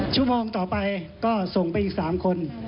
ชั่วโมงต่อไปก็ส่งไปอีก๓คน